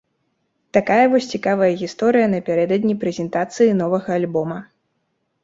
Такая вось цікавая гісторыя напярэдадні прэзентацыі новага альбома.